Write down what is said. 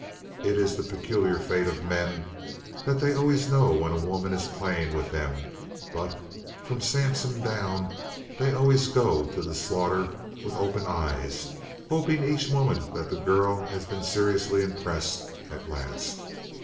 It is the peculiar fate of men that they always know when a woman is playing with them, but, from Samson down, they always go to the slaughter with open eyes, hoping each moment that the girl has been seriously impressed at last.